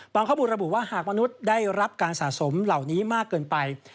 ข้อมูลระบุว่าหากมนุษย์ได้รับการสะสมเหล่านี้มากเกินไป